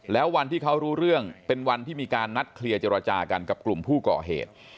แล้ววันที่เขารู้เรื่องเป็นวันที่มีการนัดเคลียร์เจรจากันกับกลุ่มผู้ก่อเหตุ